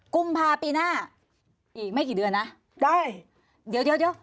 กุมภาพีหน้าอีกไม่กี่เดือนนะได้เดี๋ยวเดี๋ยวเดี๋ยว